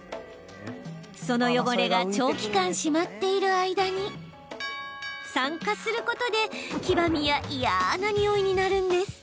その汚れが、長期間しまっている間に酸化することで黄ばみや嫌なにおいになるんです。